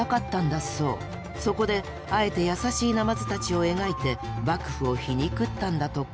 そこであえて優しいナマズたちを描いて幕府を皮肉ったんだとか。